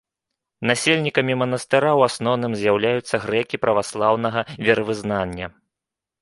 Насельнікамі манастыра ў асноўным з'яўляюцца грэкі праваслаўнага веравызнання.